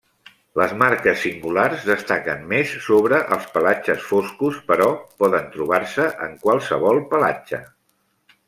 Les marques singulars destaquen més sobre els pelatges foscos però poden trobar-se en qualsevol pelatge.